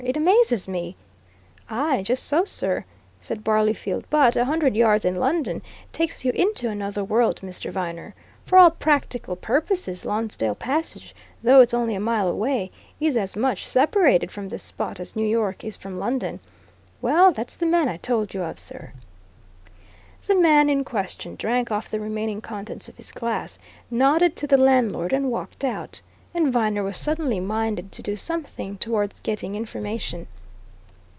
"It amazes me!" "Aye, just so, sir," said Barleyfield. "But a hundred yards in London takes you into another world, Mr. Viner. For all practical purposes, Lonsdale Passage, though it's only a mile away, is as much separated from this spot as New York is from London. Well that's the man I told you of, sir." The man in question drank off the remaining contents of his glass, nodded to the landlord, and walked out. And Viner was suddenly minded to do something towards getting information.